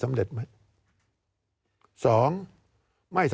การเลือกตั้งครั้งนี้แน่